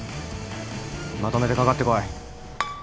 まとめてかかってこい。